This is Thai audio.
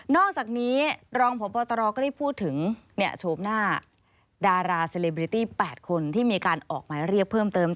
อกจากนี้รองพบตรก็ได้พูดถึงโฉมหน้าดาราเซเลบริตี้๘คนที่มีการออกหมายเรียกเพิ่มเติม